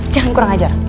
jangan kurang ajar